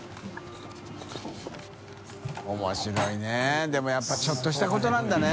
滅鬚いでもやっぱりちょっとしたことなんだね。